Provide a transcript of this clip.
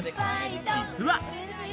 実は。